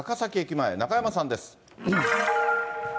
前、中山さんです。